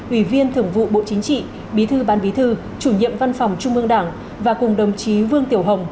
ủy viên thưởng vụ bộ chính trị bí thư ban bí thư chủ nhiệm văn phòng trung ương đảng và cùng đồng chí vương tiểu hồng